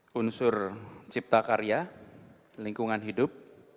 hai unsur cipta karya lingkungan hidup